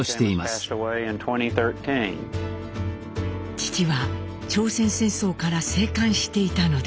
父は朝鮮戦争から生還していたのです。